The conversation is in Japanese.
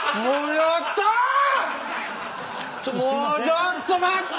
⁉ちょっと待って。